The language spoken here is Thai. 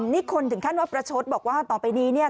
นี่คนถึงขั้นว่าประชดบอกว่าต่อไปนี้เนี่ย